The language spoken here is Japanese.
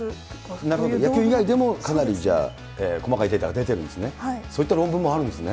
そういう道具以外でもかなり細かいデータが出ているんですね。